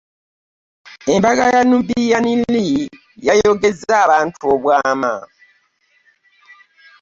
Embaga ya Nubian Li yayogeza abantu obwama.